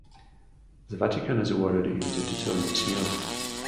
The Vatican has awarded him the title Monsignor.